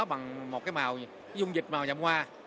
bằng một cái dung dịch màu nhậm hoa